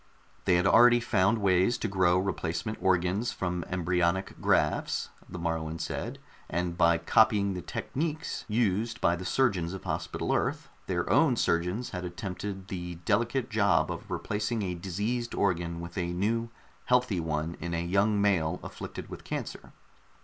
They had already found ways to grow replacement organs from embryonic grafts, the Moruan said, and by copying the techniques used by the surgeons of Hospital Earth, their own surgeons had attempted the delicate job of replacing a diseased organ with a new, healthy one in a young male afflicted with cancer.